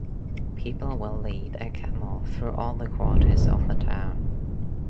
People will lead a camel through all the quarters of the town.